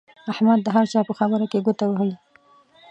احمد د هر چا په خبره کې ګوته وهي.